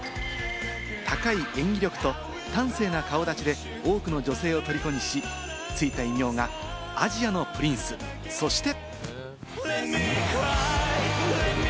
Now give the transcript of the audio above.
高い演技力と端正な顔立ちで多くの女性をとりこにし、ついた異名がアジアのプリンス、そして。